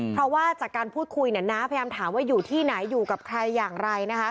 เพราะว่าจากการพูดคุยน้าพยายามถามว่าอยู่ที่ไหนอยู่กับใครอย่างไรนะคะ